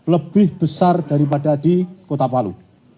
lebih besar daripada di kota palu